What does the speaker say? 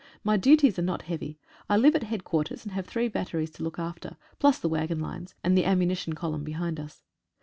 My duties are not heavy. I live at head quarters, and have three batteries to look after, plus the waggon lines, and ammunition column behind us.